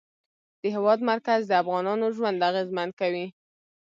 د هېواد مرکز د افغانانو ژوند اغېزمن کوي.